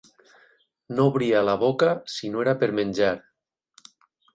No obria la boca si no era per menjar.